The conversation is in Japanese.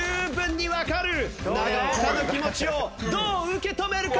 永岡の気持ちをどう受け止めるか？